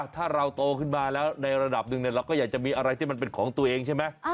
ถ้าเราโตขึ้นมาแล้วในระดับหนึ่งเราก็อยากจะมีอะไรที่มันเป็นของตัวเองใช่ไหม